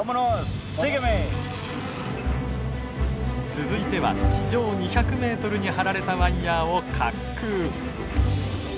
続いては地上２００メートルに張られたワイヤーを滑空。